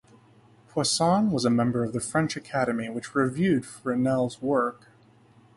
Poisson was a member of the French Academy, which reviewed Fresnel's work.